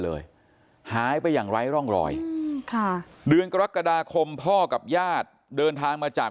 เลยหายไปอย่างไร้ร่องรอยค่ะเดือนกรกฎาคมพ่อกับญาติเดินทางมาจาก